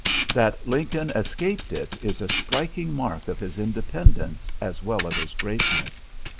That Lincoln escaped it is a striking mark of his independence as well as of his greatness.